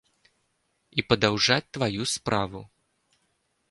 І падаўжаць тваю справу.